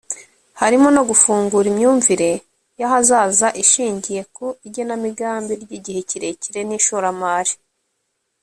harimo no gufungura imyumvire y’ahazaza ishingiye ku igenamigambi ry’igihe kirekire n’ishoramari